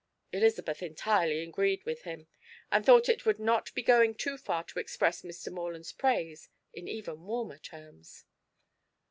Elizabeth entirely agreed with him, and thought it would not be going too far to express Mr. Morland's praise in even warmer terms.